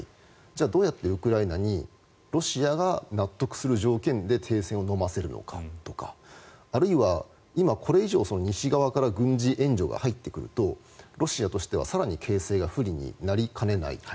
じゃあどうやってウクライナにロシアが納得する条件で停戦をのませるのかとかあるいは、今これ以上西側から軍事援助が入ってくるとロシアとしては更に形成が不利になりかねない。